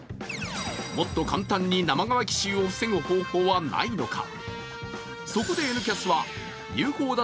もっと簡単に生乾き臭を防ぐ方法はないのか。